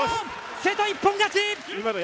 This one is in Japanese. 瀬戸一本勝ち！